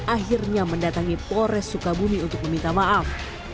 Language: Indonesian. akhirnya mendatangi polres sukabumi untuk meminta maaf